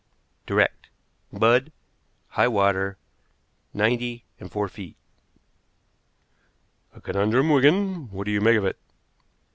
Direct. Mud high water 90 and 4 feet." "A conundrum, Wigan. What do you make of it?"